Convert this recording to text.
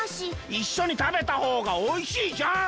いっしょにたべたほうがおいしいじゃん！